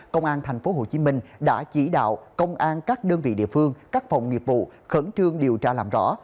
công an tp hcm đã chỉ đạo công an các đơn vị địa phương các phòng nghiệp vụ khẩn trương điều tra làm rõ